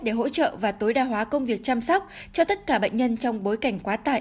để hỗ trợ và tối đa hóa công việc chăm sóc cho tất cả bệnh nhân trong bối cảnh quá tải